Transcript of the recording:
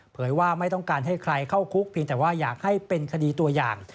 ว่าไม่ต้องการให้ใครเข้าคุกเพียงแต่ว่าอยากให้เป็นคดีตัวอย่าง